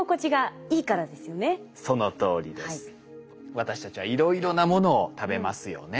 私たちはいろいろなものを食べますよね。